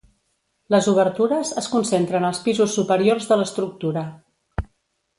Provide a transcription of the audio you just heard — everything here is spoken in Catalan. Les obertures es concentren als pisos superiors de l'estructura.